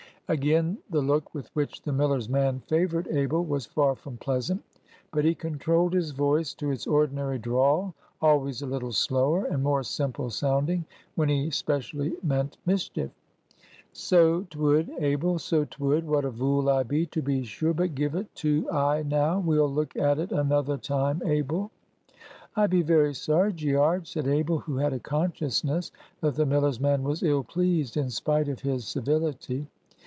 Again the look with which the miller's man favored Abel was far from pleasant. But he controlled his voice to its ordinary drawl (always a little slower and more simple sounding, when he specially meant mischief). "So 'twould, Abel. So 'twould. What a vool I be, to be sure! But give it to I now. We'll look at it another time, Abel." "I be very sorry, Gearge," said Abel, who had a consciousness that the miller's man was ill pleased in spite of his civility.